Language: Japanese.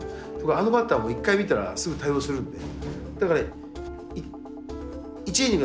あのバッターも１回見たらすぐ対応するんで。